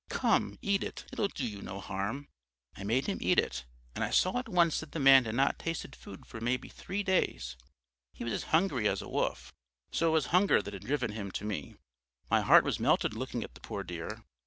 Come, eat it, it'll do you no harm.' "I made him eat it, and I saw at once that the man had not tasted food for maybe three days he was as hungry as a wolf. So it was hunger that had driven him to me. My heart was melted looking at the poor dear.